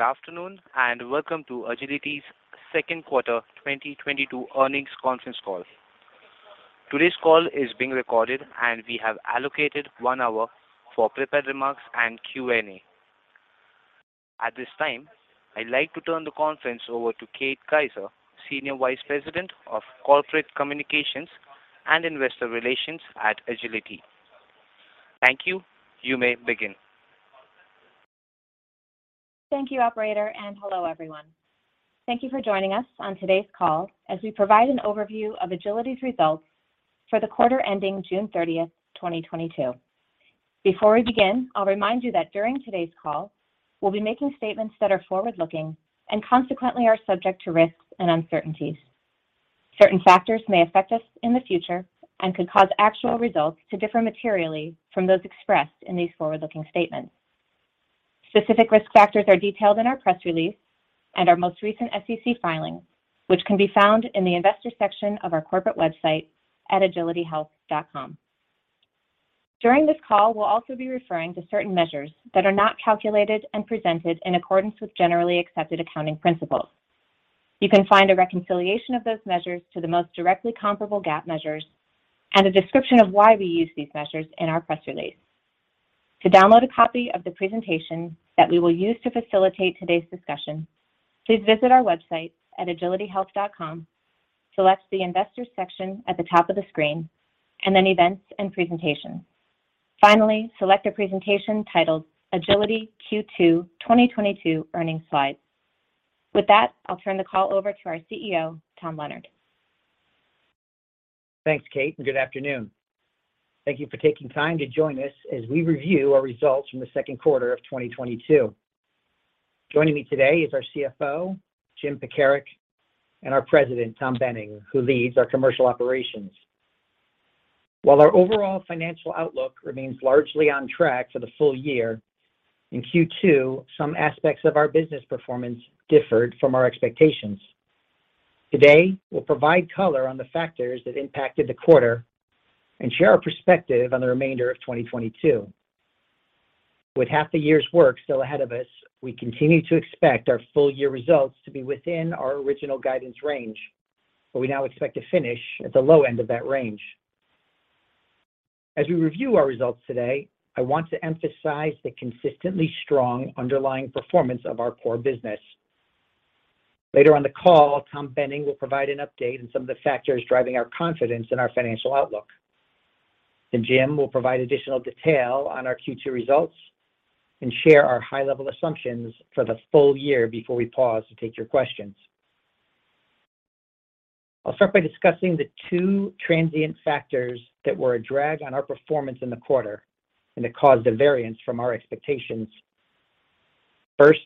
Good afternoon, and welcome to Agiliti's second quarter 2022 earnings conference call. Today's call is being recorded, and we have allocated one hour for prepared remarks and Q&A. At this time, I'd like to turn the conference over to Kate Kaiser, Senior Vice President of Corporate Communications and Investor Relations at Agiliti. Thank you. You may begin. Thank you, operator, and hello, everyone. Thank you for joining us on today's call as we provide an overview of Agiliti's results for the quarter ending June 30, 2022. Before we begin, I'll remind you that during today's call, we'll be making statements that are forward-looking and consequently are subject to risks and uncertainties. Certain factors may affect us in the future and could cause actual results to differ materially from those expressed in these forward-looking statements. Specific risk factors are detailed in our press release and our most recent SEC filing, which can be found in the Investors section of our corporate website at agilitihealth.com. During this call, we'll also be referring to certain measures that are not calculated and presented in accordance with generally accepted accounting principles. You can find a reconciliation of those measures to the most directly comparable GAAP measures and a description of why we use these measures in our press release. To download a copy of the presentation that we will use to facilitate today's discussion, please visit our website at agilitihealth.com, select the Investors section at the top of the screen, and then Events and Presentations. Finally, select the presentation titled Agiliti Q2 2022 Earnings Slides. With that, I'll turn the call over to our CEO, Tom Leonard. Thanks, Kate, and good afternoon. Thank you for taking time to join us as we review our results from the second quarter of 2022. Joining me today is our CFO, Jim Pekarek, and our President, Tom Boehning, who leads our commercial operations. While our overall financial outlook remains largely on track for the full year, in Q2, some aspects of our business performance differed from our expectations. Today, we'll provide color on the factors that impacted the quarter and share our perspective on the remainder of 2022. With half the year's work still ahead of us, we continue to expect our full year results to be within our original guidance range, but we now expect to finish at the low end of that range. As we review our results today, I want to emphasize the consistently strong underlying performance of our core business. Later on the call, Tom Boehning will provide an update on some of the factors driving our confidence in our financial outlook. Jim will provide additional detail on our Q2 results and share our high-level assumptions for the full year before we pause to take your questions. I'll start by discussing the two transient factors that were a drag on our performance in the quarter and that caused a variance from our expectations. First,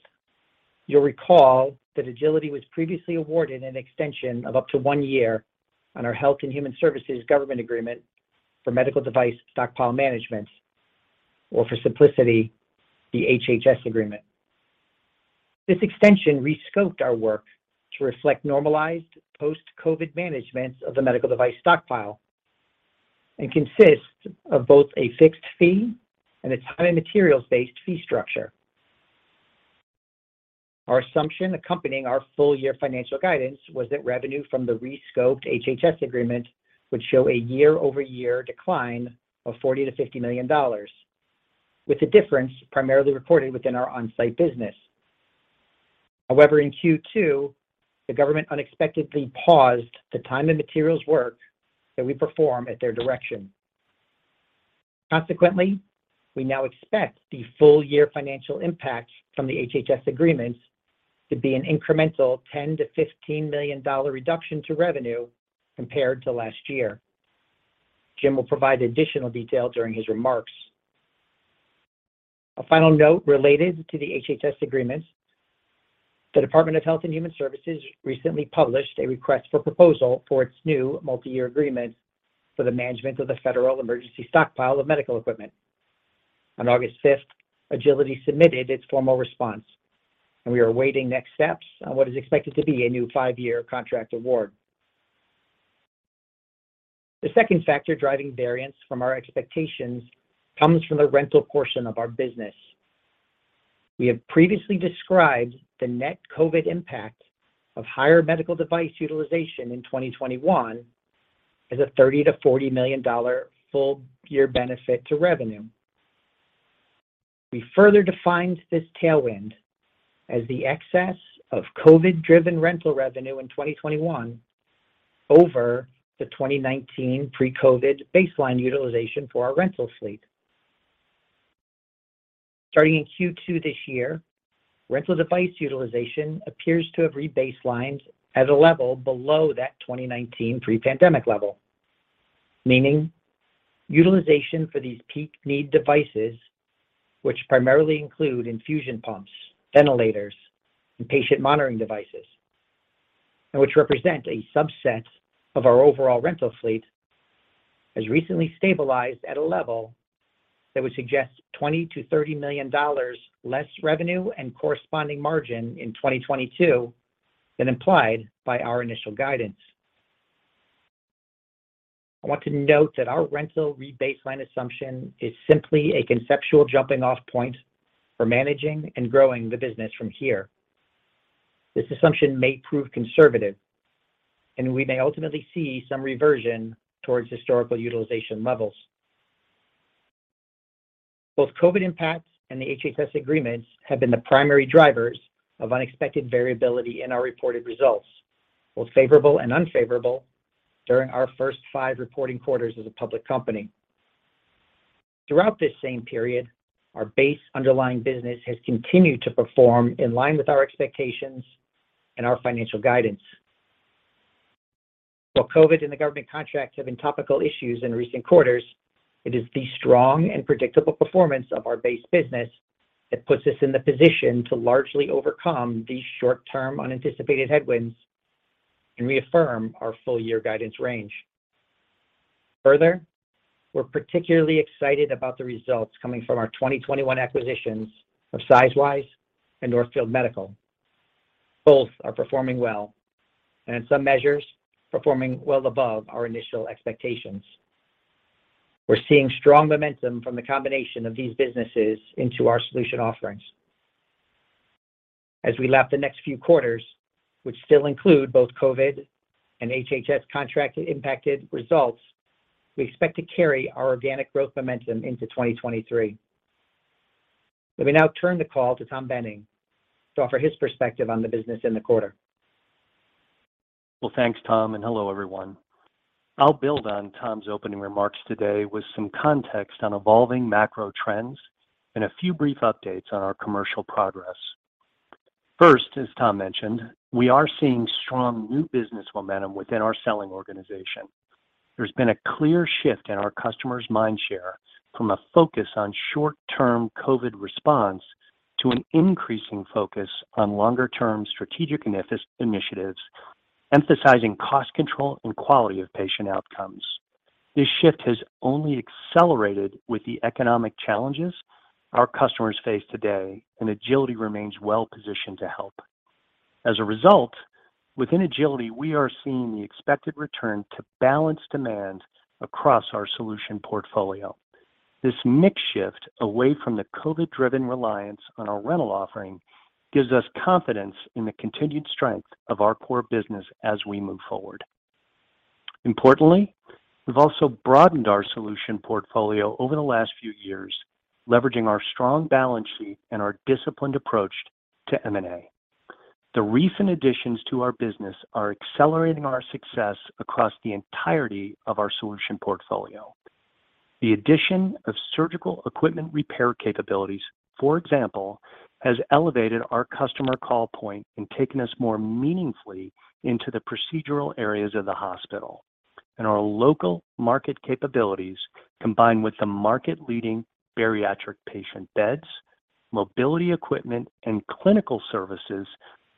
you'll recall that Agiliti was previously awarded an extension of up to one year on our Health and Human Services government agreement for medical device stockpile management, or for simplicity, the HHS agreement. This extension re-scoped our work to reflect normalized post-COVID management of the medical device stockpile and consists of both a fixed fee and a time and materials-based fee structure. Our assumption accompanying our full year financial guidance was that revenue from the re-scoped HHS agreement would show a year-over-year decline of $40 million-$50 million, with the difference primarily reported within our onsite business. However, in Q2, the government unexpectedly paused the time and materials work that we perform at their direction. Consequently, we now expect the full year financial impact from the HHS agreements to be an incremental $10 million-$15 million reduction to revenue compared to last year. Jim will provide additional detail during his remarks. A final note related to the HHS agreements. The Department of Health and Human Services recently published a request for proposal for its new multi-year agreement for the management of the Federal Emergency Stockpile of Medical Equipment. On August fifth, Agiliti submitted its formal response, and we are awaiting next steps on what is expected to be a new five-year contract award. The second factor driving variance from our expectations comes from the rental portion of our business. We have previously described the net COVID impact of higher medical device utilization in 2021 as a $30 million-$40 million full year benefit to revenue. We further defined this tailwind as the excess of COVID-driven rental revenue in 2021 over the 2019 pre-COVID baseline utilization for our rental fleet. Starting in Q2 this year, rental device utilization appears to have re-baselined at a level below that 2019 pre-pandemic level, meaning utilization for these peak need devices, which primarily include infusion pumps, ventilators, and patient monitoring devices, and which represent a subset of our overall rental fleet, has recently stabilized at a level that would suggest $20 million-$30 million less revenue and corresponding margin in 2022 than implied by our initial guidance. I want to note that our rental re-baseline assumption is simply a conceptual jumping-off point for managing and growing the business from here. This assumption may prove conservative, and we may ultimately see some reversion towards historical utilization levels. Both COVID impacts and the HHS agreements have been the primary drivers of unexpected variability in our reported results, both favorable and unfavorable, during our first five reporting quarters as a public company. Throughout this same period, our base underlying business has continued to perform in line with our expectations and our financial guidance. While COVID and the government contracts have been topical issues in recent quarters, it is the strong and predictable performance of our base business that puts us in the position to largely overcome these short-term unanticipated headwinds and reaffirm our full year guidance range. Further, we're particularly excited about the results coming from our 2021 acquisitions of Sizewise and Northfield Medical. Both are performing well, and in some measures, performing well above our initial expectations. We're seeing strong momentum from the combination of these businesses into our solution offerings. As we lap the next few quarters, which still include both COVID and HHS contract impacted results, we expect to carry our organic growth momentum into 2023. Let me now turn the call to Tom Boehning to offer his perspective on the business in the quarter. Well, thanks, Tom, and hello, everyone. I'll build on Tom's opening remarks today with some context on evolving macro trends and a few brief updates on our commercial progress. First, as Tom mentioned, we are seeing strong new business momentum within our selling organization. There's been a clear shift in our customers' mind share from a focus on short-term COVID response to an increasing focus on longer-term strategic initiatives, emphasizing cost control and quality of patient outcomes. This shift has only accelerated with the economic challenges our customers face today, and Agiliti remains well-positioned to help. As a result, within Agiliti, we are seeing the expected return to balanced demand across our solution portfolio. This mix shift away from the COVID-driven reliance on our rental offering gives us confidence in the continued strength of our core business as we move forward. Importantly, we've also broadened our solution portfolio over the last few years, leveraging our strong balance sheet and our disciplined approach to M and A. The recent additions to our business are accelerating our success across the entirety of our solution portfolio. The addition of surgical equipment repair capabilities, for example, has elevated our customer call point and taken us more meaningfully into the procedural areas of the hospital. Our local market capabilities, combined with the market-leading bariatric patient beds, mobility equipment, and clinical services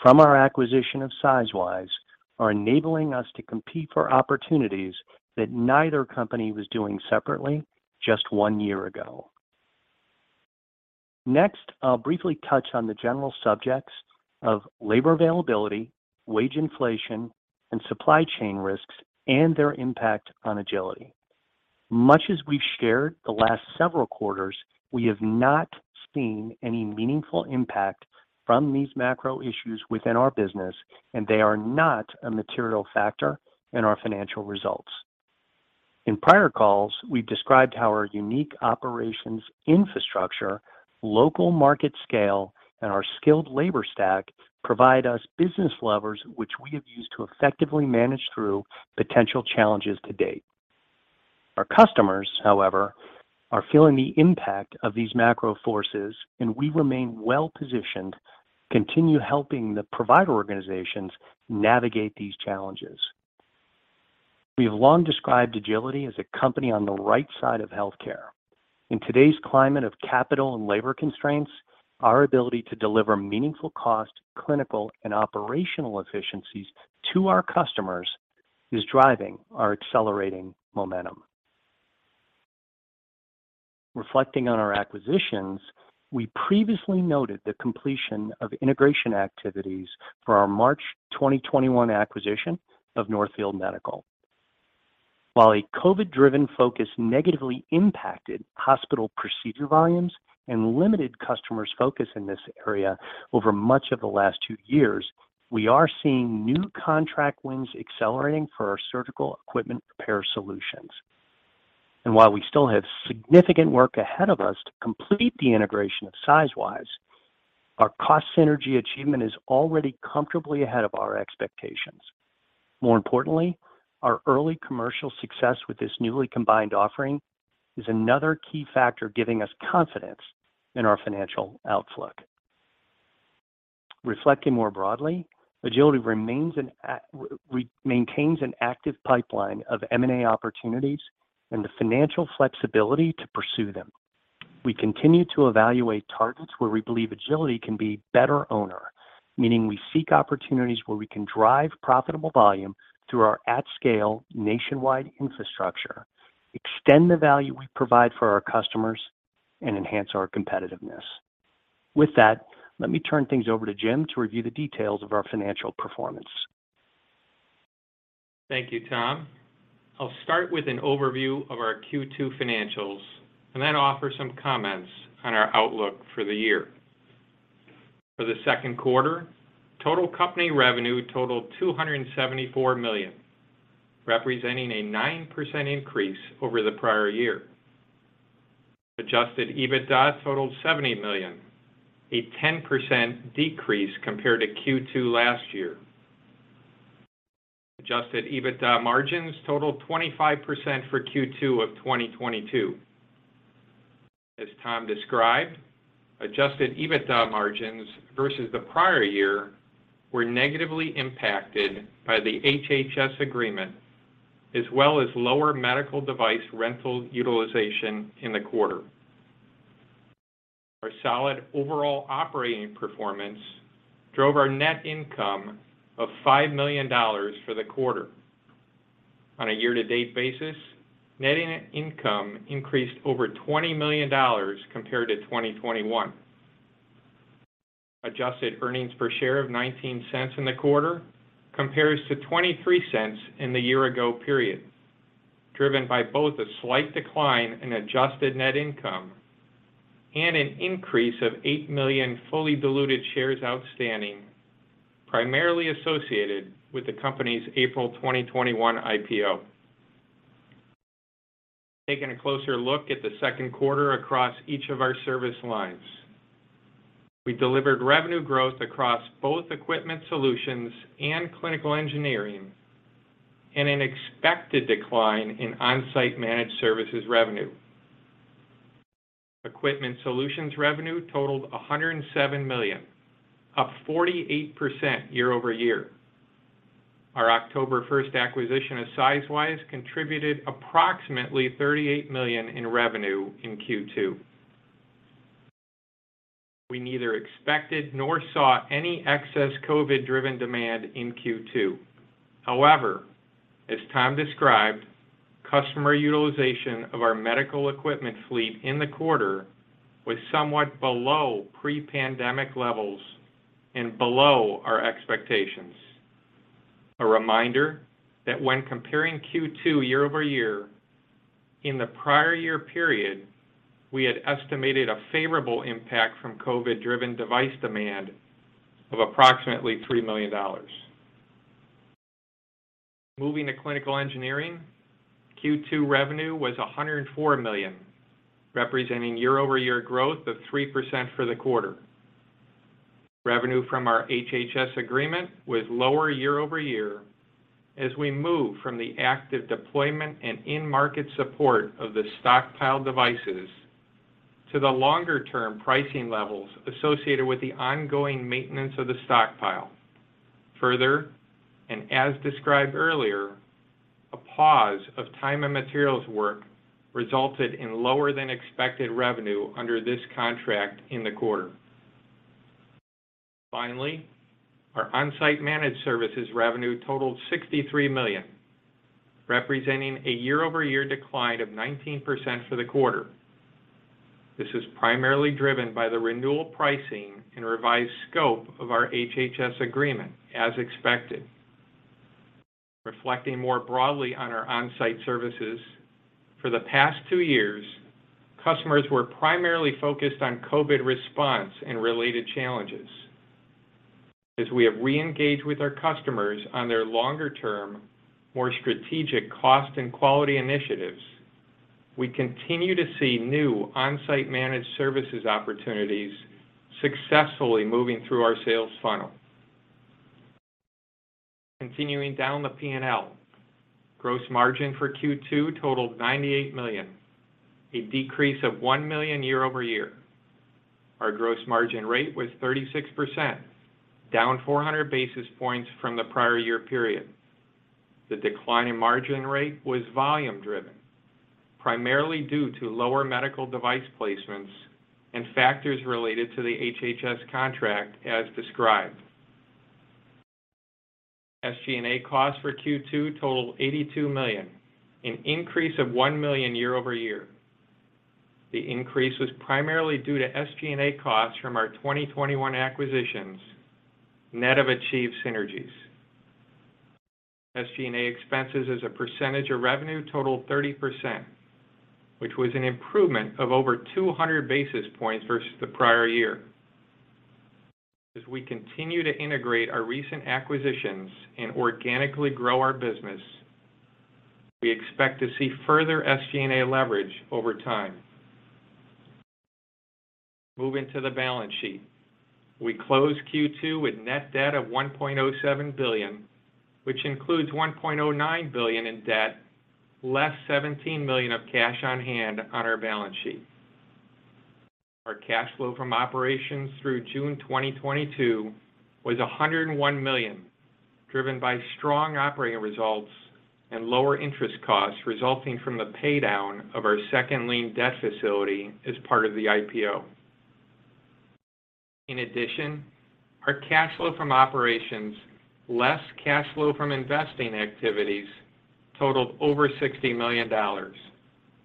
from our acquisition of Sizewise, are enabling us to compete for opportunities that neither company was doing separately just one year ago. Next, I'll briefly touch on the general subjects of labor availability, wage inflation, and supply chain risks and their impact on Agiliti. Much as we've shared the last several quarters, we have not seen any meaningful impact from these macro issues within our business, and they are not a material factor in our financial results. In prior calls, we've described how our unique operations infrastructure, local market scale, and our skilled labor stack provide us business levers which we have used to effectively manage through potential challenges to date. Our customers, however, are feeling the impact of these macro forces, and we remain well-positioned to continue helping the provider organizations navigate these challenges. We have long described Agiliti as a company on the right side of healthcare. In today's climate of capital and labor constraints, our ability to deliver meaningful cost, clinical, and operational efficiencies to our customers is driving our accelerating momentum. Reflecting on our acquisitions, we previously noted the completion of integration activities for our March 2021 acquisition of Northfield Medical. While a COVID-driven focus negatively impacted hospital procedure volumes and limited customers' focus in this area over much of the last two years, we are seeing new contract wins accelerating for our surgical equipment repair solutions. While we still have significant work ahead of us to complete the integration of Sizewise, our cost synergy achievement is already comfortably ahead of our expectations. More importantly, our early commercial success with this newly combined offering is another key factor giving us confidence in our financial outlook. Reflecting more broadly, Agiliti maintains an active pipeline of M and A opportunities and the financial flexibility to pursue them. We continue to evaluate targets where we believe Agiliti can be a better owner, meaning we seek opportunities where we can drive profitable volume through our at-scale nationwide infrastructure. Extend the value we provide for our customers and enhance our competitiveness. With that, let me turn things over to Jim to review the details of our financial performance. Thank you, Tom. I'll start with an overview of our Q2 financials and then offer some comments on our outlook for the year. For the second quarter, total company revenue totaled 274 million, representing a 9% increase over the prior year. Adjusted EBITDA totaled 70 million, a 10% decrease compared to Q2 last year. Adjusted EBITDA margins totaled 25% for Q2 of 2022. As Tom described, adjusted EBITDA margins versus the prior year were negatively impacted by the HHS agreement, as well as lower medical device rental utilization in the quarter. Our solid overall operating performance drove our net income of $5 million for the quarter. On a year-to-date basis, net income increased over $20 million compared to 2021. Adjusted earnings per share of 0.19 in the quarter compares to 0.23 in the year ago period, driven by both a slight decline in adjusted net income and an increase of 8 million fully diluted shares outstanding, primarily associated with the company's April 2021 IPO. Taking a closer look at the second quarter across each of our service lines. We delivered revenue growth across both Equipment Solutions and Clinical Engineering and an expected decline in Onsite Managed Services revenue. Equipment Solutions revenue totaled 107 million, up 48% year-over-year. Our October one acquisition of Sizewise contributed approximately 38 million in revenue in Q2. We neither expected nor saw any excess COVID-driven demand in Q2. However, as Tom described, customer utilization of our medical equipment fleet in the quarter was somewhat below pre-pandemic levels and below our expectations. A reminder that when comparing Q2 year-over-year, in the prior year period, we had estimated a favorable impact from COVID-driven device demand of approximately $3 million. Moving to Clinical Engineering, Q2 revenue was 104 million, representing year-over-year growth of 3% for the quarter. Revenue from our HHS agreement was lower year-over-year as we move from the active deployment and in-market support of the stockpile devices to the longer-term pricing levels associated with the ongoing maintenance of the stockpile. Further, and as described earlier, a pause of time and materials work resulted in lower than expected revenue under this contract in the quarter. Finally, our Onsite Managed Services revenue totaled 63 million, representing a year-over-year decline of 19% for the quarter. This is primarily driven by the renewal pricing and revised scope of our HHS agreement, as expected. Reflecting more broadly on our onsite services, for the past two years, customers were primarily focused on COVID response and related challenges. As we have reengaged with our customers on their longer-term, more strategic cost and quality initiatives, we continue to see new Onsite Managed Services opportunities successfully moving through our sales funnel. Continuing down the P&L. Gross margin for Q2 totaled 98 million, a decrease of 1 million year-over-year. Our gross margin rate was 36%, down 400 basis points from the prior year period. The decline in margin rate was volume-driven, primarily due to lower medical device placements and factors related to the HHS contract as described. SG&A costs for Q2 totaled 82 million, an increase of 1 million year-over-year. The increase was primarily due to SG&A costs from our 2021 acquisitions, net of achieved synergies. SG&A expenses as a percentage of revenue totaled 30%, which was an improvement of over 200 basis points versus the prior year. As we continue to integrate our recent acquisitions and organically grow our business, we expect to see further SG&A leverage over time. Moving to the balance sheet. We closed Q2 with net debt of 1.07 billion, which includes 1.09 billion in debt, less 17 million of cash on hand on our balance sheet. Our cash flow from operations through June 2022 was 101 million, driven by strong operating results and lower interest costs resulting from the pay down of our second lien debt facility as part of the IPO. In addition, our cash flow from operations, less cash flow from investing activities totaled over $60 million,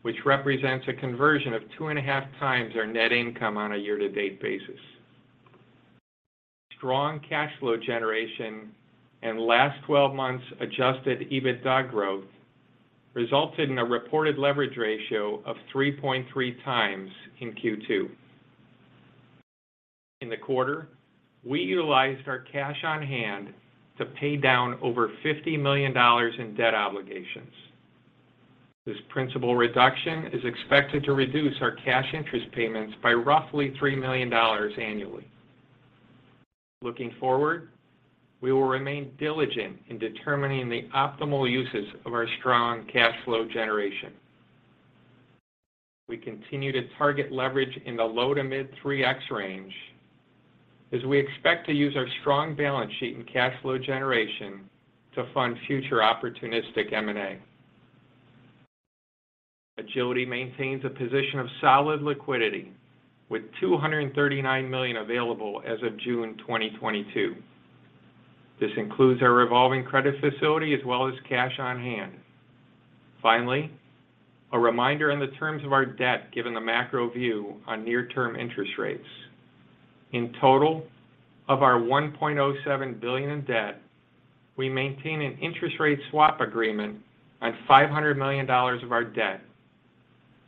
which represents a conversion of 2.5 times our net income on a year-to-date basis. Strong cash flow generation and last twelve months Adjusted EBITDA growth resulted in a reported leverage ratio of 3.3 times in Q2. In the quarter, we utilized our cash on hand to pay down over $50 million in debt obligations. This principal reduction is expected to reduce our cash interest payments by roughly 3 million annually. Looking forward, we will remain diligent in determining the optimal uses of our strong cash flow generation. We continue to target leverage in the low- to mid-3x range as we expect to use our strong balance sheet and cash flow generation to fund future opportunistic M and A. Agiliti maintains a position of solid liquidity with 239 million available as of June 2022. This includes our revolving credit facility as well as cash on hand. Finally, a reminder in the terms of our debt, given the macro view on near-term interest rates. In total of our 1.07 billion in debt, we maintain an interest rate swap agreement on 500 million of our debt,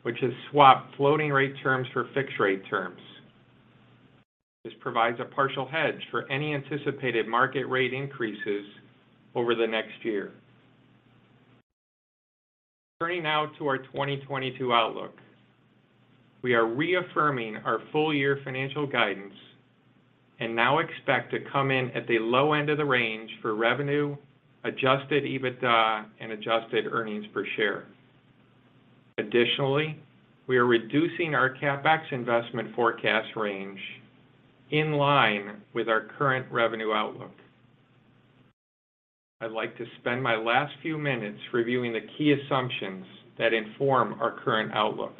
which has swapped floating rate terms for fixed rate terms. This provides a partial hedge for any anticipated market rate increases over the next year. Turning now to our 2022 outlook. We are reaffirming our full year financial guidance and now expect to come in at the low end of the range for revenue, Adjusted EBITDA, and Adjusted Earnings Per Share. Additionally, we are reducing our CapEx investment forecast range in line with our current revenue outlook. I'd like to spend my last few minutes reviewing the key assumptions that inform our current outlook.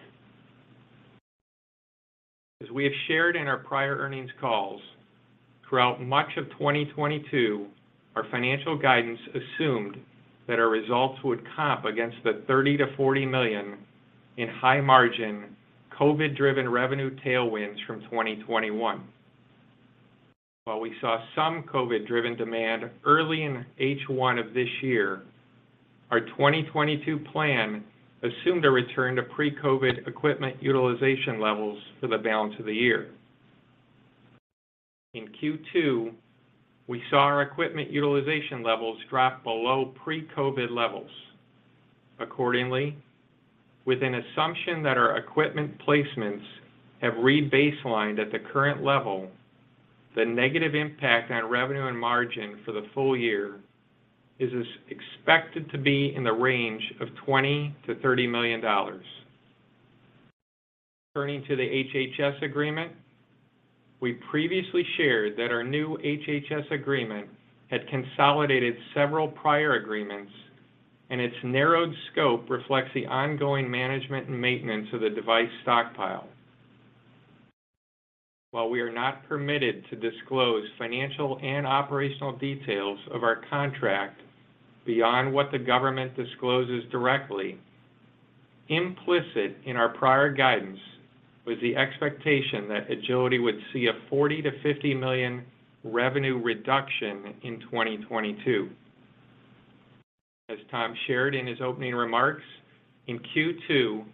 As we have shared in our prior earnings calls, throughout much of 2022, our financial guidance assumed that our results would comp against the 30 million-40 million in high margin COVID-driven revenue tailwinds from 2021. While we saw some COVID-driven demand early in H1 of this year, our 2022 plan assumed a return to pre-COVID equipment utilization levels for the balance of the year. In Q2, we saw our equipment utilization levels drop below pre-COVID levels. Accordingly, with an assumption that our equipment placements have re-baselined at the current level, the negative impact on revenue and margin for the full year is expected to be in the range of $20 million-$30 million. Turning to the HHS agreement. We previously shared that our new HHS agreement had consolidated several prior agreements, and its narrowed scope reflects the ongoing management and maintenance of the device stockpile. While we are not permitted to disclose financial and operational details of our contract beyond what the government discloses directly, implicit in our prior guidance was the expectation that Agiliti would see a 40 million-50 million revenue reduction in 2022. As Tom shared in his opening remarks, in Q2,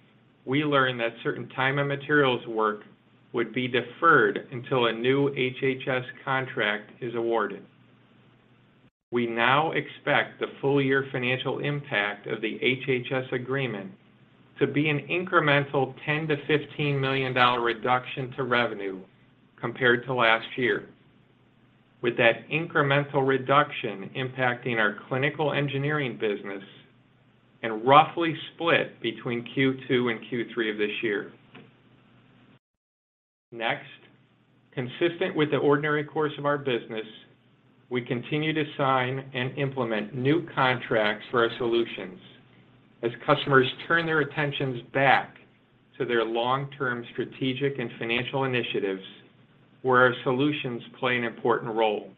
we learned that certain time and materials work would be deferred until a new HHS contract is awarded. We now expect the full year financial impact of the HHS agreement to be an incremental $10-$15 million reduction to revenue compared to last year, with that incremental reduction impacting our clinical engineering business and roughly split between Q2 and Q3 of this year. Next, consistent with the ordinary course of our business, we continue to sign and implement new contracts for our solutions as customers turn their attentions back to their long-term strategic and financial initiatives where our solutions play an important role.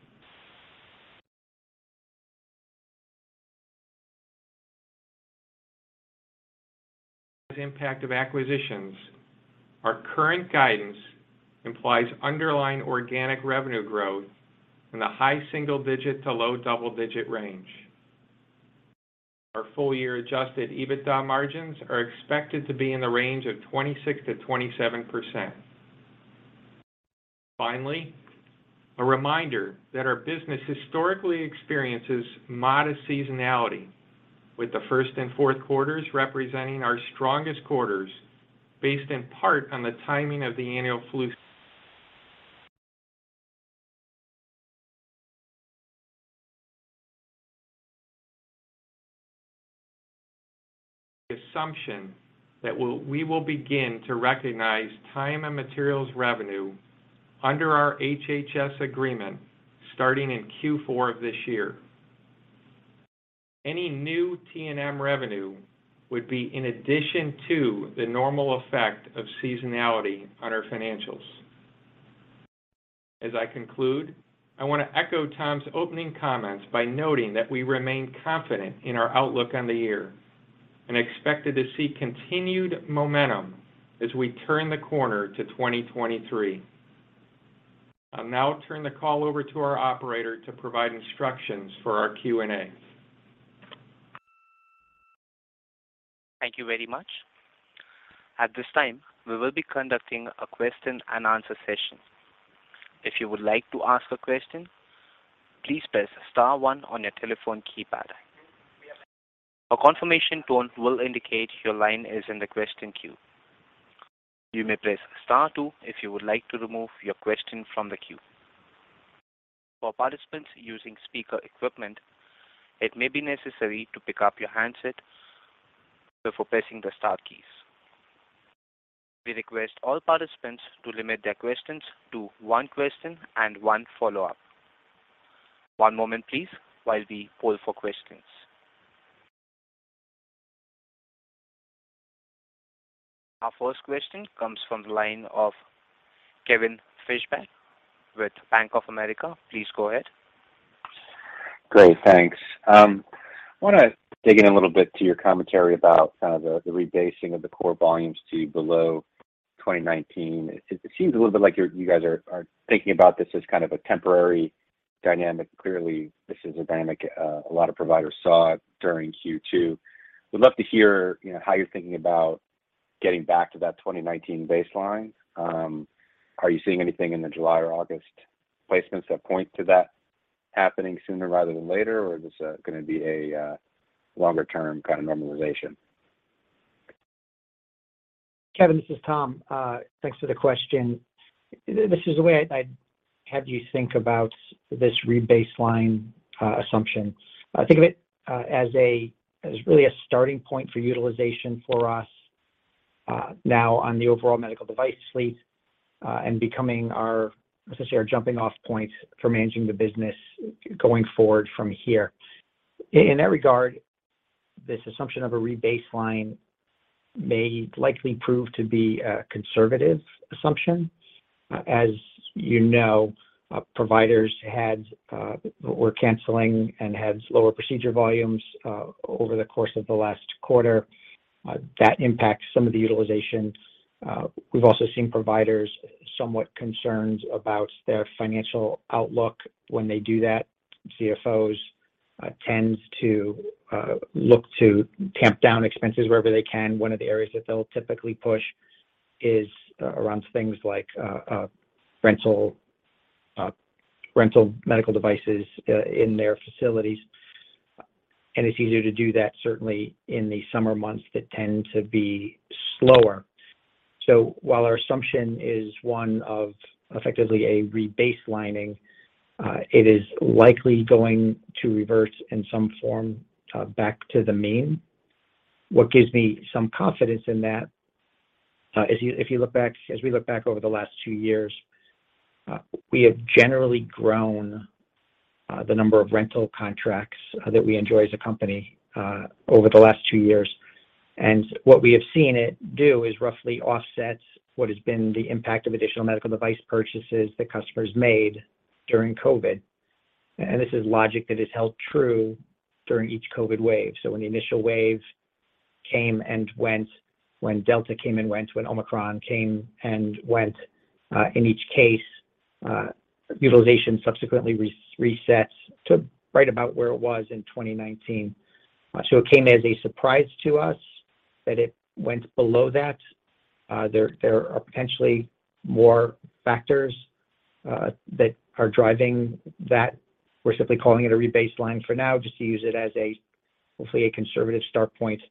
The impact of acquisitions. Our current guidance implies underlying organic revenue growth in the high single digit to low double-digit range. Our full year Adjusted EBITDA margins are expected to be in the range of 26%-27%. Finally, a reminder that our business historically experiences modest seasonality with the first and fourth quarters representing our strongest quarters based in part on the timing of the annual flu. The assumption that we will begin to recognize time and materials revenue under our HHS agreement starting in Q4 of this year. Any new T&M revenue would be in addition to the normal effect of seasonality on our financials. As I conclude, I want to echo Tom's opening comments by noting that we remain confident in our outlook on the year and expected to see continued momentum as we turn the corner to 2023. I'll now turn the call over to our operator to provide instructions for our Q&A. Thank you very much. At this time, we will be conducting a question and answer session. If you would like to ask a question, please press star one on your telephone keypad. A confirmation tone will indicate your line is in the question queue. You may press star two if you would like to remove your question from the queue. For participants using speaker equipment, it may be necessary to pick up your handset before pressing the star keys. We request all participants to limit their questions to one question and one follow-up. One moment please while we poll for questions. Our first question comes from the line of Kevin Fischbeck with Bank of America. Please go ahead. Great. Thanks. I want to dig in a little bit to your commentary about kind of the rebasing of the core volumes to below 2019. It seems a little bit like you guys are thinking about this as kind of a temporary dynamic. Clearly, this is a dynamic a lot of providers saw during Q2. Would love to hear, you know, how you're thinking about getting back to that 2019 baseline. Are you seeing anything in the July or August placements that point to that happening sooner rather than later? Or is this going to be a longer term kind of normalization? Kevin, this is Tom. Thanks for the question. This is the way I'd have you think about this rebaseline assumption. I think of it as really a starting point for utilization for us now on the overall medical device fleet and becoming our, let's just say, our jumping-off point for managing the business going forward from here. In that regard, this assumption of a rebaseline may likely prove to be a conservative assumption. As you know, providers were canceling and had lower procedure volumes over the course of the last quarter. That impacts some of the utilization. We've also seen providers somewhat concerned about their financial outlook when they do that. CFOs tends to look to tamp down expenses wherever they can. One of the areas that they'll typically push is around things like rental medical devices in their facilities. It's easier to do that certainly in the summer months that tend to be slower. While our assumption is one of effectively a rebaselining, it is likely going to reverse in some form back to the mean. What gives me some confidence in that is as we look back over the last two years, we have generally grown the number of rental contracts that we enjoy as a company over the last two years. What we have seen it do is roughly offset what has been the impact of additional medical device purchases that customers made during COVID. This is logic that has held true during each COVID wave. When the initial wave came and went, when Delta came and went, when Omicron came and went, in each case, utilization subsequently resets to right about where it was in 2019. It came as a surprise to us that it went below that. There are potentially more factors that are driving that. We're simply calling it a rebaseline for now just to use it as a, hopefully a conservative start point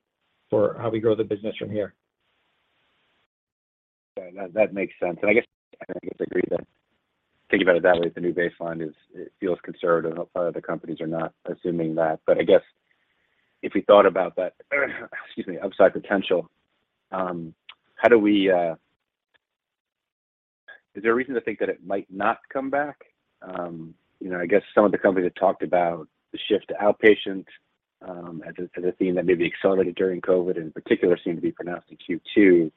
for how we grow the business from here. Okay. That makes sense. I guess agree then. Thinking about it that way, the new baseline is it feels conservative. A lot of other companies are not assuming that. I guess if we thought about that, excuse me, upside potential. Is there a reason to think that it might not come back? You know, I guess some of the companies have talked about the shift to outpatient, as a theme that may be accelerated during COVID, and in particular seemed to be pronounced in Q2.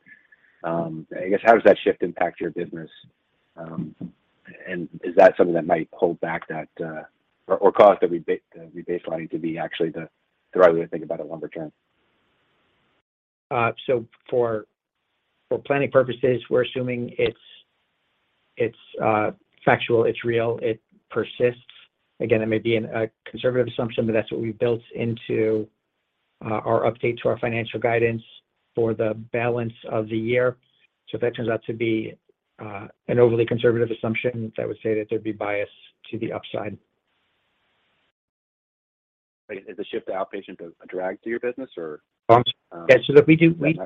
I guess, how does that shift impact your business? Is that something that might hold back that, or cause the rebaselining to be actually the right way to think about it longer term? For planning purposes, we're assuming it's factual, it's real, it persists. Again, it may be a conservative assumption, but that's what we've built into our update to our financial guidance for the balance of the year. If that turns out to be an overly conservative assumption, I would say that there'd be bias to the upside. Is the shift to outpatient a drag to your business or? We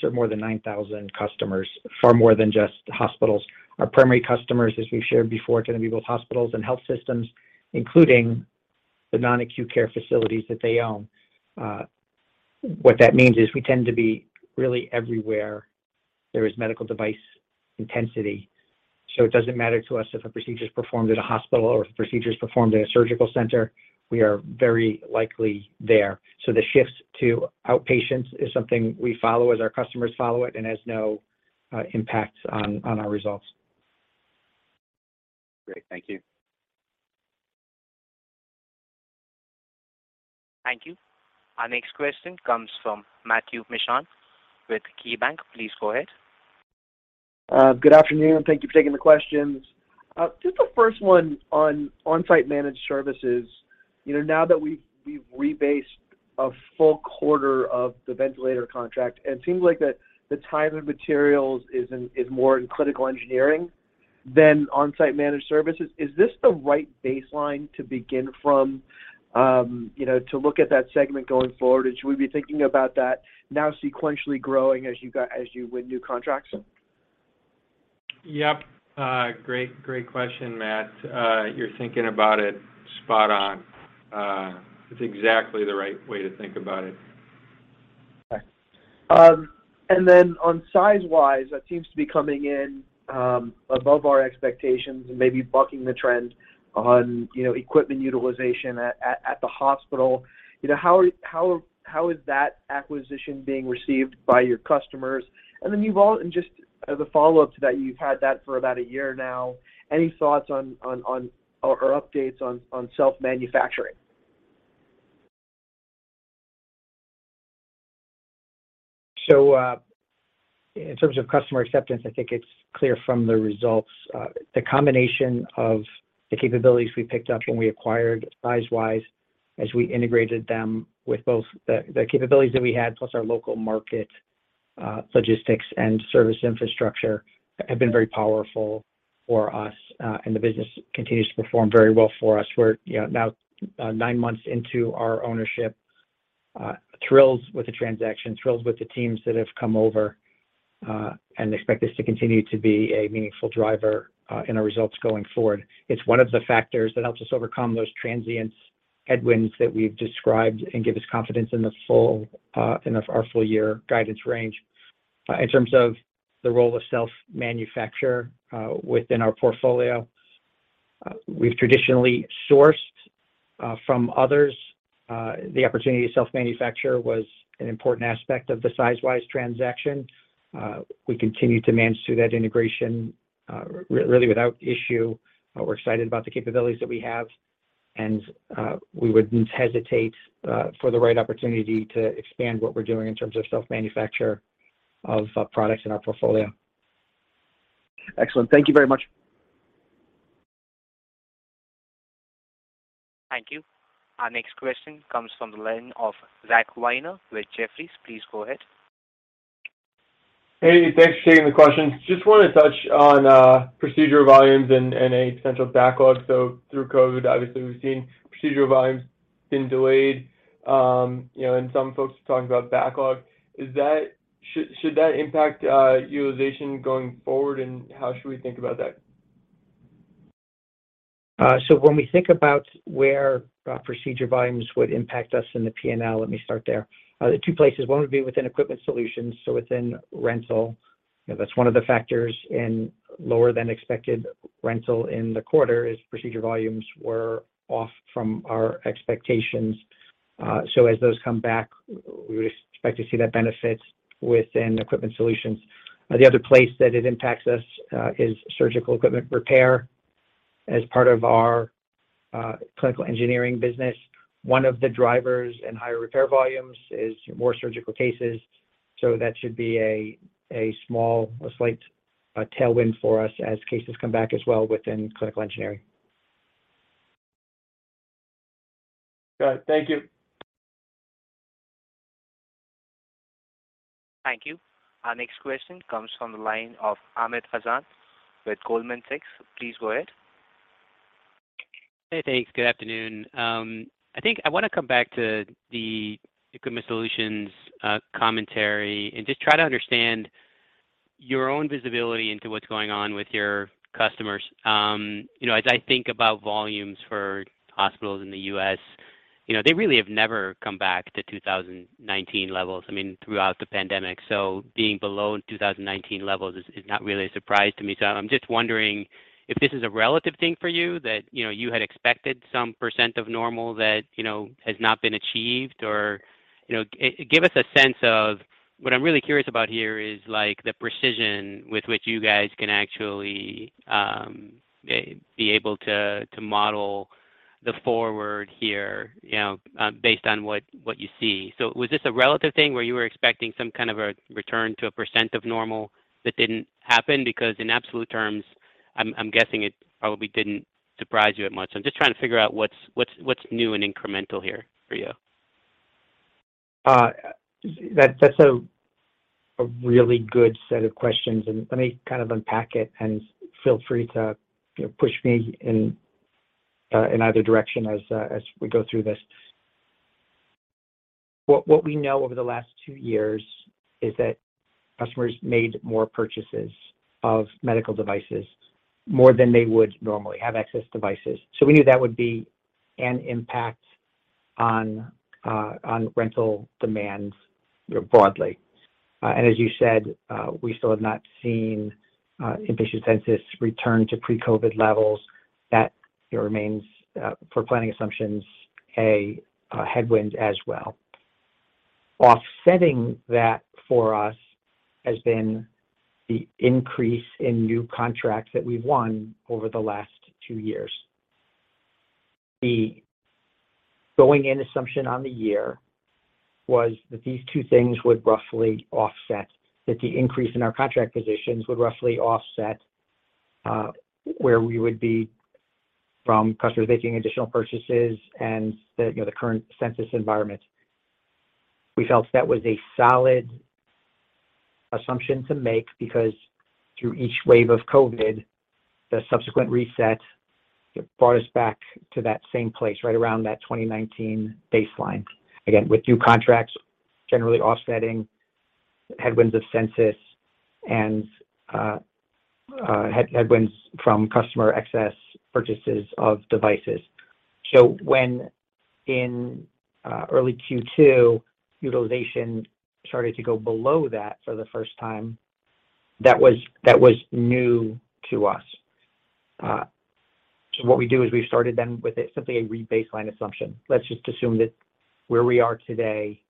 serve more than 9,000 customers, far more than just hospitals. Our primary customers, as we've shared before, tend to be both hospitals and health systems, including the non-acute care facilities that they own. What that means is we tend to be really everywhere there is medical device intensity. It doesn't matter to us if a procedure is performed at a hospital or if a procedure is performed at a surgical center, we are very likely there. The shifts to outpatients is something we follow as our customers follow it, and has no impact on our results. Great. Thank you. Thank you. Our next question comes from Matthew Mishan with KeyBanc. Please go ahead. Good afternoon, thank you for taking the questions. Just the first one on on-site managed services. You know, now that we've rebased a full quarter of the ventilator contract, and it seems like the time and materials is more in Clinical Engineering than on-site managed services. Is this the right baseline to begin from, you know, to look at that segment going forward? Should we be thinking about that now sequentially growing as you win new contracts? Yep. Great question, Matt. You're thinking about it spot on. It's exactly the right way to think about it. Okay. Then on Sizewise, that seems to be coming in above our expectations and maybe bucking the trend on, you know, equipment utilization at the hospital. You know, how is that acquisition being received by your customers? Just as a follow-up to that, you've had that for about a year now. Any thoughts on or updates on self-manufacturing? In terms of customer acceptance, I think it's clear from the results, the combination of the capabilities we picked up when we acquired Sizewise, as we integrated them with both the capabilities that we had, plus our local market logistics and service infrastructure, have been very powerful for us. The business continues to perform very well for us. We're you know now nine months into our ownership, thrilled with the transaction, thrilled with the teams that have come over, and expect this to continue to be a meaningful driver in our results going forward. It's one of the factors that helps us overcome those transient headwinds that we've described and give us confidence in our full year guidance range. In terms of the role of self-manufacture within our portfolio, we've traditionally sourced from others. The opportunity to self-manufacture was an important aspect of the Sizewise transaction. We continue to manage through that integration, really without issue. We're excited about the capabilities that we have, and we wouldn't hesitate for the right opportunity to expand what we're doing in terms of self-manufacture of products in our portfolio. Excellent. Thank you very much. Thank you. Our next question comes from the line of Zack Weiner with Jefferies. Please go ahead. Hey, thanks for taking the question. Just want to touch on procedure volumes and any potential backlog. Through COVID, obviously, we've seen procedure volumes been delayed, you know, and some folks are talking about backlog. Should that impact utilization going forward, and how should we think about that? When we think about where procedure volumes would impact us in the P&L, let me start there. The two places, one would be within Equipment Solutions, so within rental. You know, that's one of the factors in lower than expected rental in the quarter is procedure volumes were off from our expectations. As those come back, we would expect to see that benefit within Equipment Solutions. The other place that it impacts us is surgical equipment repair as part of our clinical engineering business. One of the drivers in higher repair volumes is more surgical cases, so that should be a small or slight tailwind for us as cases come back as well within Clinical Engineering. Got it. Thank you. Thank you. Our next question comes from the line of Amit Hazan with Goldman Sachs. Please go ahead. Hey, thanks. Good afternoon. I think I want to come back to the Equipment Solutions commentary and just try to understand your own visibility into what's going on with your customers. You know, as I think about volumes for hospitals in the U.S., you know, they really have never come back to 2019 levels, I mean, throughout the pandemic. Being below 2019 levels is not really a surprise to me. I'm just wondering if this is a relative thing for you that, you know, you had expected some percent of normal that, you know, has not been achieved or, you know give us a sense of what I'm really curious about here is, like, the precision with which you guys can actually be able to model the forward here, you know, based on what you see. Was this a relative thing, where you were expecting some kind of a return to a percent of normal that didn't happen? Because in absolute terms, I'm guessing it probably didn't surprise you that much. I'm just trying to figure out what's new and incremental here for you. That's a really good set of questions, and let me kind of unpack it, and feel free to, you know, push me in either direction as we go through this. What we know over the last two years is that customers made more purchases of medical devices, more than they would normally have access to devices. We knew that would be an impact on rental demands broadly. As you said, we still have not seen admissions census return to pre-COVID levels. That remains, for planning assumptions, a headwind as well. Offsetting that for us has been the increase in new contracts that we've won over the last two years. The going-in assumption on the year was that these two things would roughly offset, that the increase in our contract positions would roughly offset, where we would be from customers making additional purchases and the, you know, the current census environment. We felt that was a solid assumption to make because through each wave of COVID, the subsequent reset brought us back to that same place, right around that 2019 baseline. Again, with new contracts generally offsetting headwinds of census and headwinds from customer excess purchases of devices. When in early Q2, utilization started to go below that for the first time, that was new to us. What we do is we started then with simply a rebaseline assumption. Let's just assume that where we are today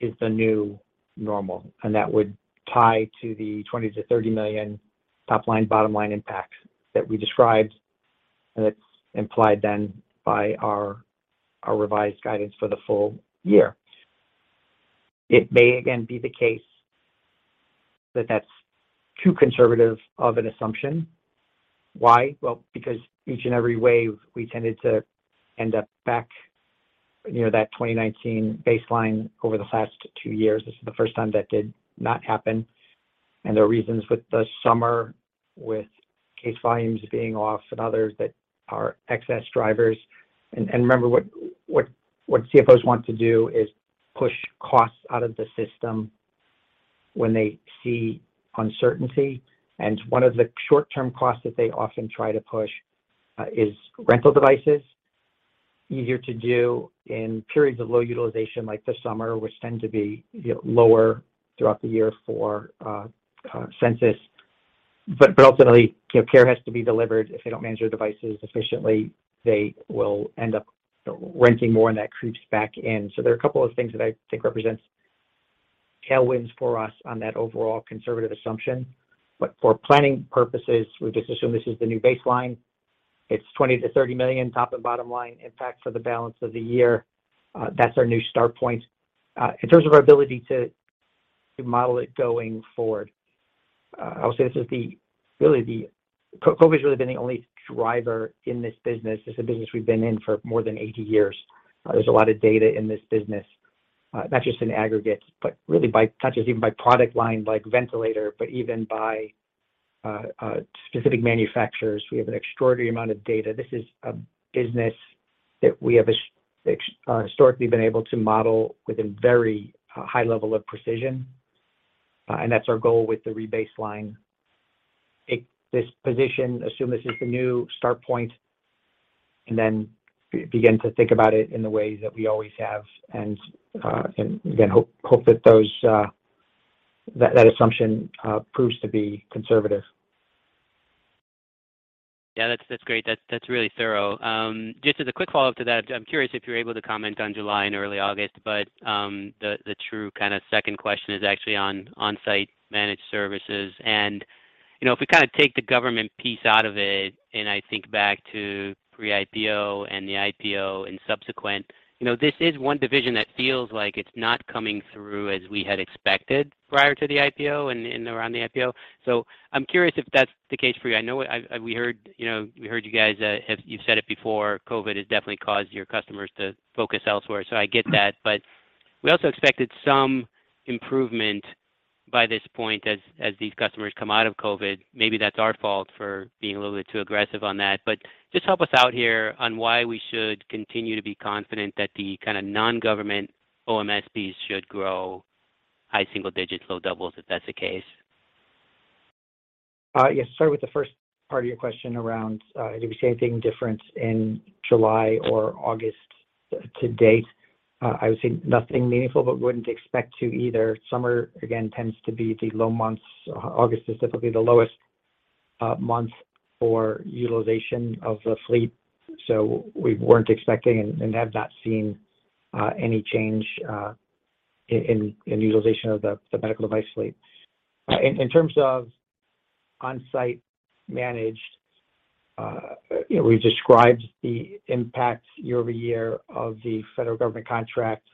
is the new normal, and that would tie to the 20 million-30 million top-line, bottom-line impact that we described, and it's implied then by our revised guidance for the full year. It may again be the case that that's too conservative of an assumption. Why? Well, because each and every wave, we tended to end up back near that 2019 baseline over the last two years. This is the first time that did not happen. There are reasons with the summer, with case volumes being off and others that are excess drivers. Remember, what CFOs want to do is push costs out of the system when they see uncertainty. One of the short-term costs that they often try to push is rental devices. Easier to do in periods of low utilization like this summer, which tend to be, you know, lower throughout the year for census. Ultimately, you know, care has to be delivered. If they don't manage their devices efficiently, they will end up renting more and that creeps back in. There are a couple of things that I think represents tailwinds for us on that overall conservative assumption. For planning purposes, we just assume this is the new baseline. It's 20 million-30 million top and bottom line impact for the balance of the year. That's our new start point. In terms of our ability to model it going forward, I'll say COVID's really been the only driver in this business. This is a business we've been in for more than 80 years. There's a lot of data in this business, not just in aggregate, but really by product line, like ventilator, but even by specific manufacturers. We have an extraordinary amount of data. This is a business that we have historically been able to model within very high level of precision, and that's our goal with the rebaseline. This position, assume this is the new start point and then begin to think about it in the ways that we always have and, again, hope that that assumption proves to be conservative. Yeah, that's great. That's really thorough. Just as a quick follow-up to that, I'm curious if you're able to comment on July and early August, but the true kind of second question is actually on On-site Managed Services. You know, if we kind of take the government piece out of it, and I think back to pre-IPO and the IPO and subsequent, you know, this is one division that feels like it's not coming through as we had expected prior to the IPO and around the IPO. I'm curious if that's the case for you. I know we heard, you know, we heard you guys, you said it before, COVID has definitely caused your customers to focus elsewhere. I get that. We also expected some improvement by this point as these customers come out of COVID. Maybe that's our fault for being a little bit too aggressive on that. Just help us out here on why we should continue to be confident that the kind of non-government OMSS should grow high single digits, low doubles, if that's the case. Yes. Start with the first part of your question around, did we see anything different in July or August to date? I would say nothing meaningful, but wouldn't expect to either. Summer, again, tends to be the low months. August is typically the lowest month for utilization of the fleet. So we weren't expecting and have not seen any change in utilization of the medical device fleet. In terms of on-site managed, you know, we described the impact year-over-year of the federal government contracts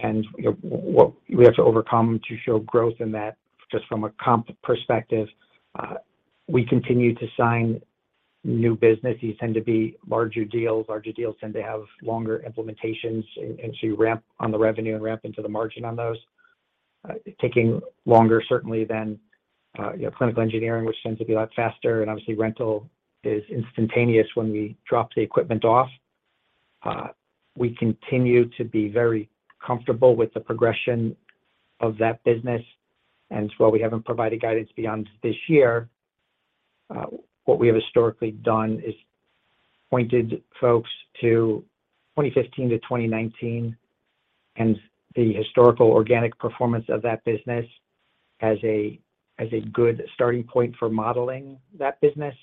and, you know, what we have to overcome to show growth in that just from a comp perspective. We continue to sign new business. These tend to be larger deals. Larger deals tend to have longer implementations and to ramp on the revenue and ramp into the margin on those. Taking longer certainly than, you know, clinical engineering, which tends to be a lot faster, and obviously, rental is instantaneous when we drop the equipment off. We continue to be very comfortable with the progression of that business. While we haven't provided guidance beyond this year, what we have historically done is pointed folks to 2015 to 2019 and the historical organic performance of that business as a good starting point for modeling that business.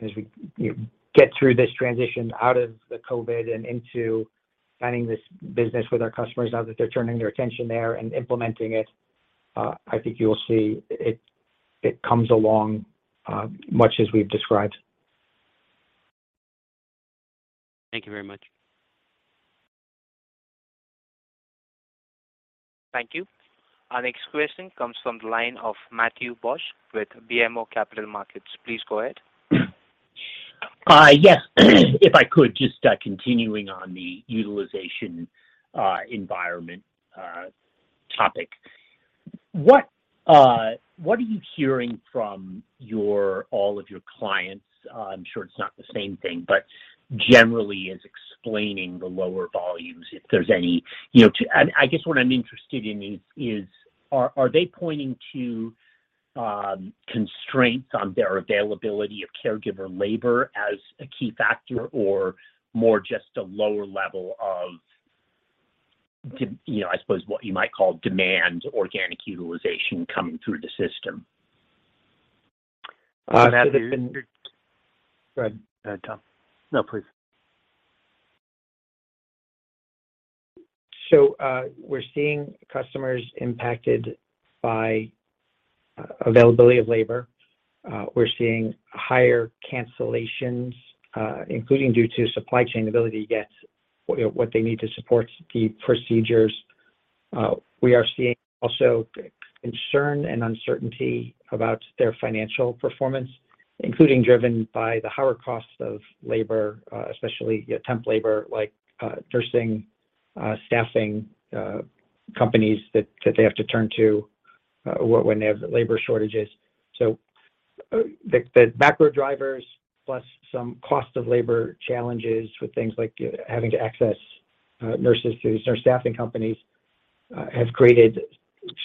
As we get through this transition out of the COVID and into planning this business with our customers now that they're turning their attention there and implementing it, I think you'll see it comes along much as we've described. Thank you very much. Thank you. Our next question comes from the line of Matthew Borsch with BMO Capital Markets. Please go ahead. Yes. If I could just continuing on the utilization environment topic. What are you hearing from all of your clients? I'm sure it's not the same thing, but generally is explaining the lower volumes if there's any. You know, I guess what I'm interested in is, are they pointing to constraints on their availability of caregiver labor as a key factor or more just a lower level of demand organic utilization coming through the system? Uh, so there's been- Matthew, go ahead, Tom. No, please. We're seeing customers impacted by availability of labor. We're seeing higher cancellations, including due to supply chain inability to get what, you know, what they need to support the procedures. We are seeing also concern and uncertainty about their financial performance, including driven by the higher costs of labor, especially temp labor like nursing staffing companies that they have to turn to when they have labor shortages. The macro drivers plus some cost of labor challenges with things like having to access nurses through nurse staffing companies have created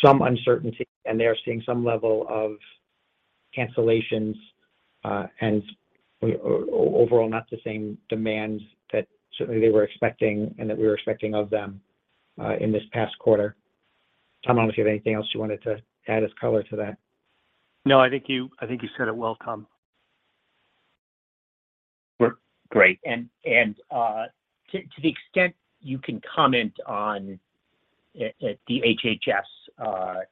some uncertainty, and they are seeing some level of cancellations, and overall not the same demand that certainly they were expecting and that we were expecting of them in this past quarter. Tom, I don't know if you have anything else you wanted to add as color to that? No, I think you said it well, Tom. Great. To the extent you can comment on the HHS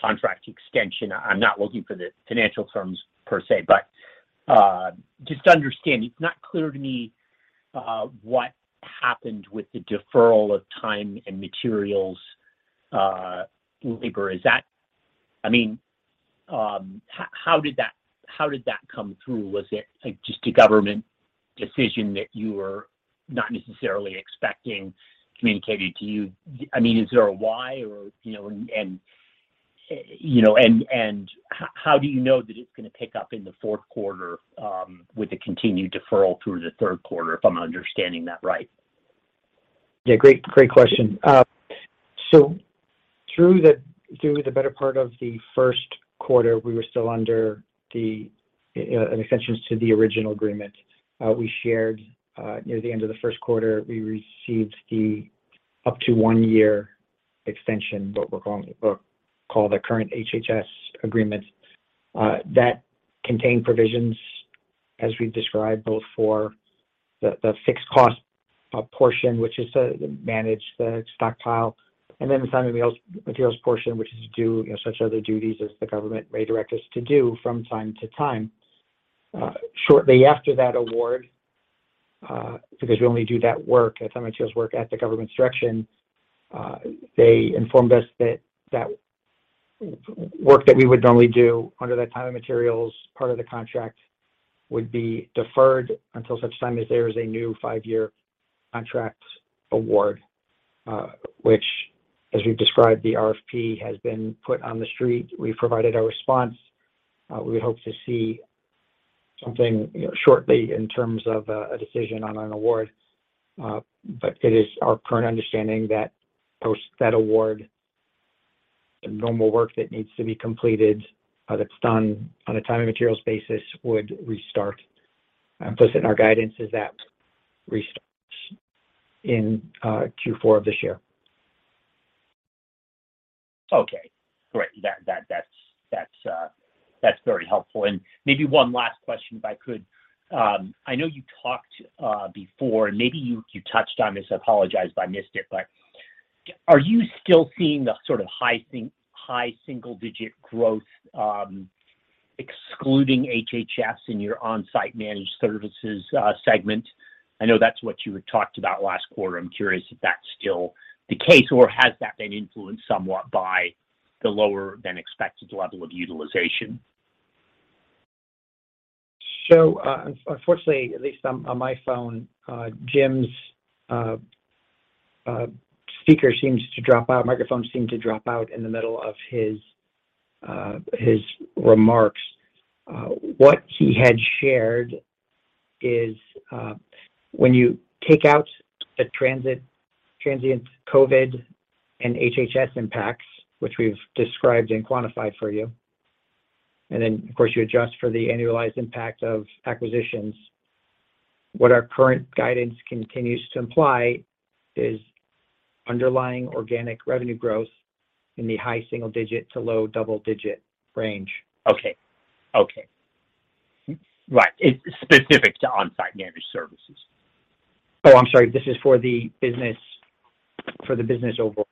contract extension, I'm not looking for the financial terms per se, but just understanding. It's not clear to me what happened with the deferral of time and materials labor. Is that I mean, how did that come through? Was it, like, just a government decision that you were not necessarily expecting communicated to you? I mean, is there a why or, you know, how do you know that it's going to pick up in the fourth quarter with the continued deferral through the third quarter, if I'm understanding that right? Yeah, great question. So through the better part of the first quarter, we were still under an extension to the original agreement. We shared, near the end of the first quarter, we received the up to one-year extension, what we're calling the current HHS agreement. That contained provisions, as we've described, both for the fixed cost portion, which is to manage the stockpile, and then the time and materials portion, which is to do, you know, such other duties as the government may direct us to do from time to time. Shortly after that award, because we only do that work, that time and materials work at the government's direction, they informed us that that work that we would normally do under that time and materials part of the contract would be deferred until such time as there is a new five-year contract award, which as we've described, the RFP has been put on the street. We provided our response. We hope to see something, you know, shortly in terms of a decision on an award. It is our current understanding that post that award, the normal work that needs to be completed, that's done on a time and materials basis would restart. Implicit in our guidance is that restarts in Q4 of this year. Okay. Great. That's very helpful. Maybe one last question, if I could. I know you talked before, and maybe you touched on this. I apologize if I missed it. Are you still seeing the sort of high single-digit% growth, excluding HHS in your Onsite Managed Services segment? I know that's what you had talked about last quarter. I'm curious if that's still the case, or has that been influenced somewhat by the lower than expected level of utilization? Unfortunately, at least on my phone, Jim's microphone seemed to drop out in the middle of his remarks. What he had shared is, when you take out the transient COVID and HHS impacts, which we've described and quantified for you, and then of course you adjust for the annualized impact of acquisitions, what our current guidance continues to imply is underlying organic revenue growth in the high single digit to low double digit range. Okay. Right. It's specific to On-Site Managed Services. Oh, I'm sorry. This is for the business overall.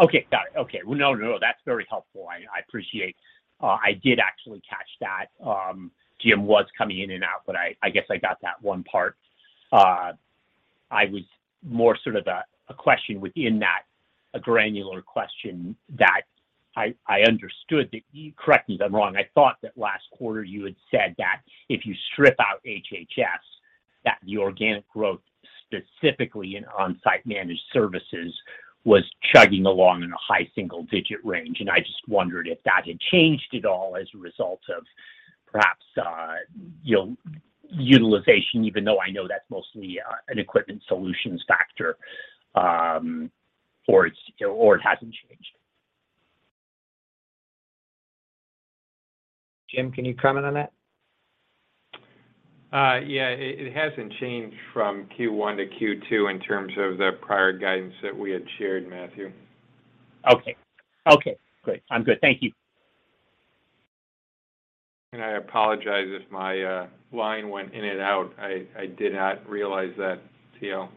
Okay. Got it. Okay. Well, no, that's very helpful. I appreciate. I did actually catch that. Jim was coming in and out, but I guess I got that one part. I was more sort of a question within that, a granular question that I understood that. Correct me if I'm wrong, I thought that last quarter you had said that if you strip out HHS, that the organic growth, specifically in Onsite Managed Services, was chugging along in a high single digit range. I just wondered if that had changed at all as a result of perhaps, you know, utilization, even though I know that's mostly an Equipment Solutions factor, or it hasn't changed. Jim, can you comment on that? Yeah. It hasn't changed from Q1 to Q2 in terms of the prior guidance that we had shared, Matthew. Okay. Okay, great. I'm good. Thank you. I apologize if my line went in and out. I did not realize that, Theo.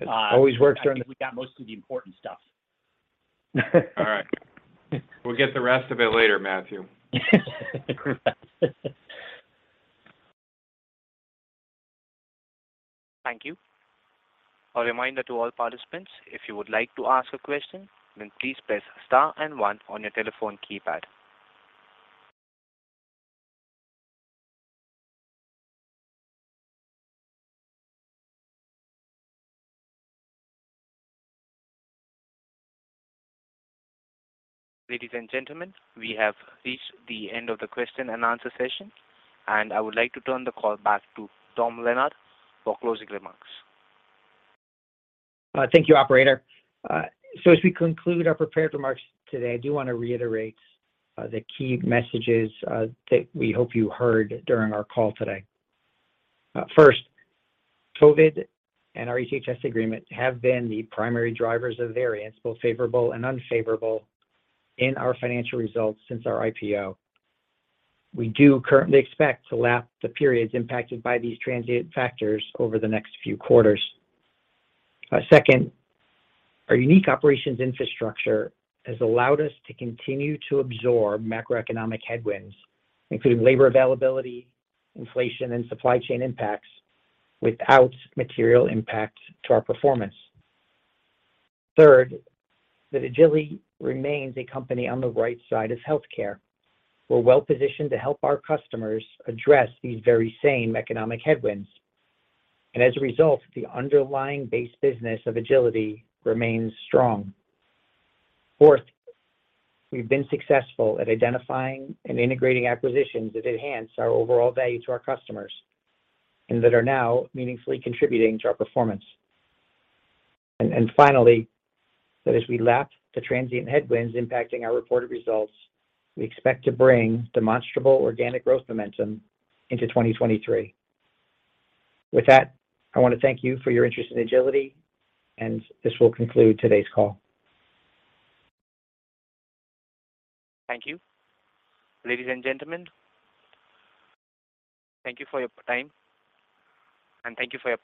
It always works during the- I think we got most of the important stuff. All right. We'll get the rest of it later, Matthew. Thank you. A reminder to all participants, if you would like to ask a question, then please press star and one on your telephone keypad. Ladies and gentlemen, we have reached the end of the question and answer session, and I would like to turn the call back to Tom Leonard for closing remarks. Thank you, operator. So as we conclude our prepared remarks today, I do want to reiterate the key messages that we hope you heard during our call today. First, COVID and our HHS agreement have been the primary drivers of variance, both favorable and unfavorable, in our financial results since our IPO. We do currently expect to lap the periods impacted by these transient factors over the next few quarters. Second, our unique operations infrastructure has allowed us to continue to absorb macroeconomic headwinds, including labor availability, inflation, and supply chain impacts, without material impact to our performance. Third, that Agiliti remains a company on the right side of healthcare. We're well-positioned to help our customers address these very same economic headwinds. As a result, the underlying base business of Agiliti remains strong. Fourth, we've been successful at identifying and integrating acquisitions that enhance our overall value to our customers and that are now meaningfully contributing to our performance. Finally, that as we lap the transient headwinds impacting our reported results, we expect to bring demonstrable organic growth momentum into 2023. With that, I want to thank you for your interest in Agiliti, and this will conclude today's call. Thank you. Ladies and gentlemen, thank you for your time, and thank you for your participation.